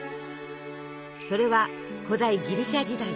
それは古代ギリシャ時代。